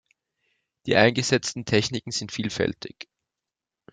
Die eingesetzten Techniken sind vielfältig.